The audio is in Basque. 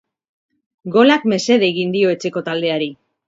Golak mesede egin dio etxeko taldeari.